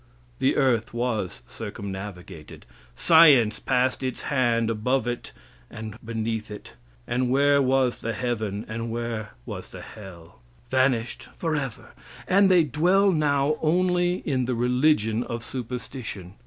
The earth was circumnavigated. Science passed its hand above it and beneath it, and where was the heaven, and where was the hell? Vanished forever! And they dwell now only in the religion of superstition.